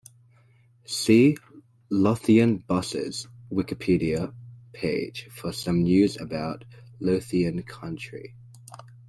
See Lothian Buses wikipedia page for Some news about lothiancountry.